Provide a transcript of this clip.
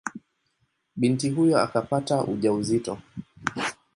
Binti huyo akapata ujauzito.